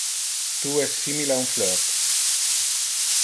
Tu es simile a un flirt.